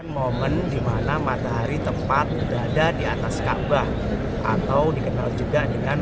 momen dimana matahari tepat berada di atas kaabah atau dikenal juga dengan